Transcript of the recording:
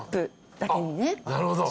なるほど。